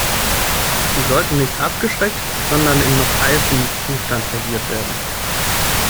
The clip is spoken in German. Sie sollten nicht abgeschreckt, sondern in noch heißem Zustand serviert werden.